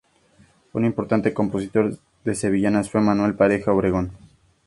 Un importante compositor de sevillanas fue Manuel Pareja Obregón.